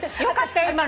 よかったよ